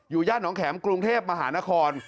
ย่านน้องแข็มกรุงเทพมหานคร